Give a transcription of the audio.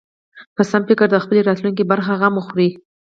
په سم فکر د خپلې راتلونکې برخه غم وخوري.